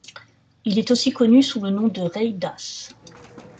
Il est aussi connu sous le nom de Rai Das.